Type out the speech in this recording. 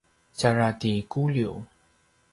tjara ti Kuliu